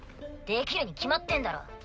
できるに決まってんだろ。